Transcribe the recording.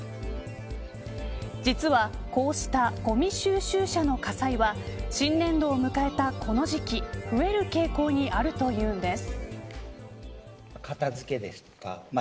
実は、こうしたごみ収集車の火災は新年度を迎えたこの時期増える傾向にあるというんです。